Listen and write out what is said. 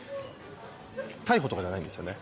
逮捕とかじゃないんですよね。